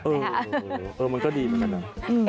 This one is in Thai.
เออมันก็ดีเหมือนกันนะ